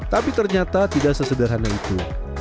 tapi ternyata tidak sesederhana itu